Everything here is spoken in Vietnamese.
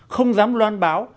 không dám loan báo